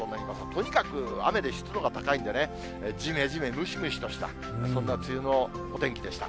とにかく雨で湿度が高いんでね、じめじめ、ムシムシとしたそんな梅雨のお天気でした。